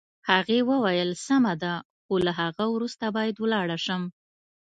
هغې وویل: سمه ده، خو له هغه وروسته باید ولاړه شم.